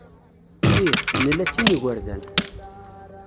Ih, nla sin n yigerdan.